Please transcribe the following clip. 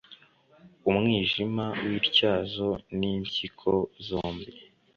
umwijima w ityazo n impyiko zombi